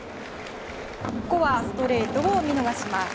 ここはストレートを見逃します。